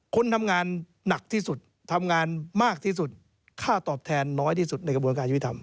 คนทำงานหนักที่สุดทำงานมากที่สุดค่าตอบแทนน้อยที่สุดในกระบวนการยุทธิธรรม